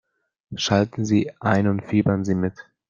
Schalten Sie ein und fiebern Sie mit!